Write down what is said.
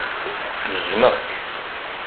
Jjmeɣ-k.